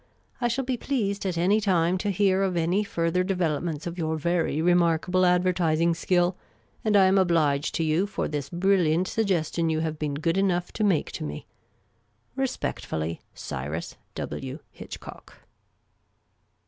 I shall be pleased ut any time to hear of any further »'evelopments of your very remarkable advertising skill, and I am obliged to you for this brilliant suggestion you have been good enough to make to me. " Respectfully, •' Cyrus W. Hitchcock."